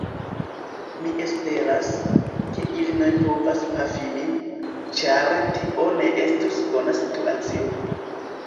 Mi esperas, ke ili ne povas pafi min, ĉar tio ne estus bona situacio.